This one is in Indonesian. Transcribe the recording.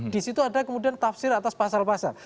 disitu ada kemudian tafsir atas pasal pasal